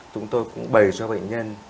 chúng tôi cũng bày cho bệnh nhân